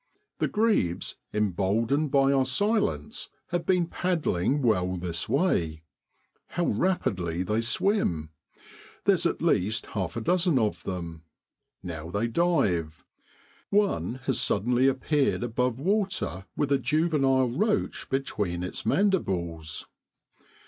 The grebes, emboldened by our silence, have been paddling well this way. How rapidly they swim ! There's at least half a dozen of them. Now they dive. One has suddenly appeared above water with a juvenile roach between its mandibles.